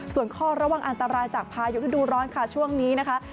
ส่วนข้อระวังอันตรายจากพายุฤดูร้อนค่ะช่วงนี้นะคะ